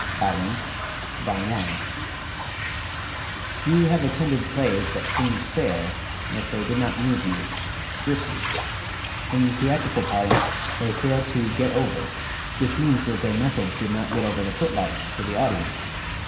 BYRON, Don Juan. You have attended plays that seemed fair, yet they did not move you, grip you. In theatrical parlance, they failed to "get over," which means that their message did not get over the foot lights to the audience.